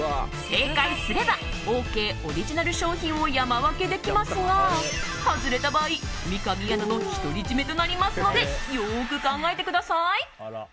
正解すればオーケーオリジナル商品を山分けできますが外れた場合、三上アナの独り占めとなりますのでよく考えてください。